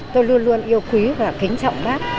tôi luôn luôn yêu quý và kính trọng bác